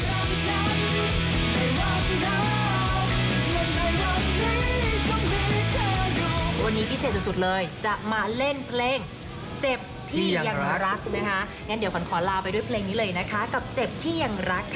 วันนี้พิเศษสุดเลยจะมาเล่นเพลงเจ็บที่ยังรัก